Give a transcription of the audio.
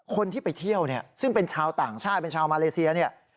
คนที่ไปเที่ยวเนี่ยซึ่งเป็นชาวต่างชาติเป็นชาวมาเลเซียเนี่ย